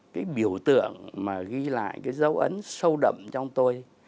cái biểu tượng mà ghi lại cái dấu ấn sâu đậm trong tôi